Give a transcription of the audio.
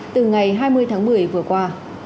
từ ngày hai mươi tháng một mươi vừa qua